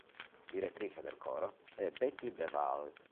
Direttrice del coro è Betty de Waal.